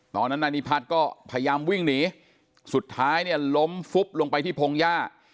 ตอนนั้นนายนิพัฒน์ก็พยายามวิ่งหนีสุดท้ายล้มลงไปที่โพงย่า